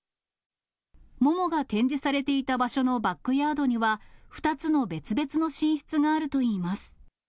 モモが展示されていた場所のバックヤードには、２つの別々の寝室があるといいます。